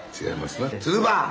違いますな。